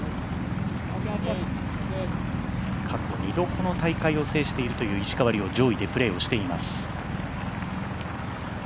過去２どこの大会を制しているという石川遼上位でプレーをしています。